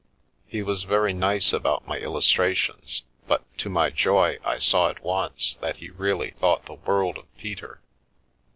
He was very nice about my illustrations, but to my joy I saw at once that he really thought the world of Peter.